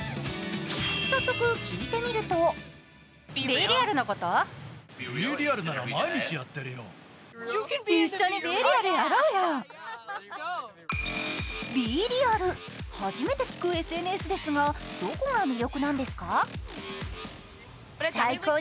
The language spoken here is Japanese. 早速、聞いてみるとＢｅＲｅａｌ、初めて聞くＳＮＳですがどこが魅力なんですか？